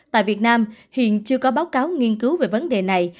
tại việt nam hiện chưa có báo cáo nghiên cứu về vấn đề này